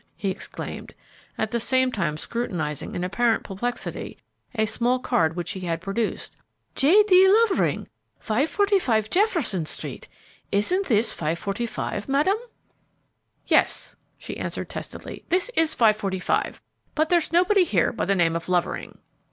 he exclaimed, at the same time scrutinizing in apparent perplexity a small card which he had produced. "J. D. Lovering, 545 Jefferson Street; isn't this 545, madam?" "Yes," she answered, testily, "this is 545; but there's nobody here by the name of Lovering."